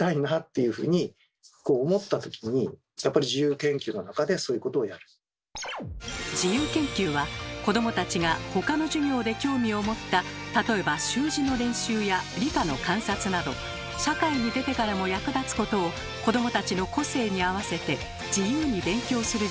では当時の例えば自由研究は子どもたちが他の授業で興味を持った例えば習字の練習や理科の観察など社会に出てからも役立つことを子どもたちの個性に合わせて自由に勉強する時間だったのです。